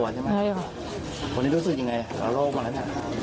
วันนี้รู้สึกยังไงอร่อยกว่านั้น